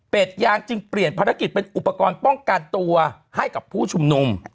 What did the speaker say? เป็นยางจึงเปลี่ยนภารกิจเป็นอุปกรณ์ป้องกันตัวให้กับผู้ชุมนุม